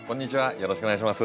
よろしくお願いします。